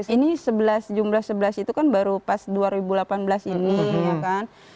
ini jumlah sebelas itu kan baru pas dua ribu delapan belas ini ya kan